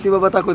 bapak takut ya